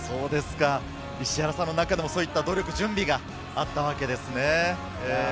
石原さんの中でも努力、準備があったわけですね？